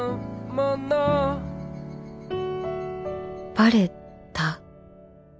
バレた？